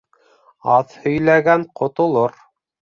Аҙ һөйләгән ҡотолор.